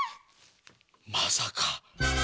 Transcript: まさか。